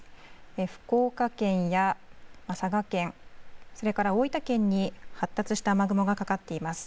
福岡県や佐賀県、それから大分県に発達した雨雲がかかっています。